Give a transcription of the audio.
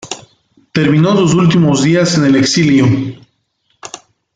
Terminó sus últimos días en el exilio.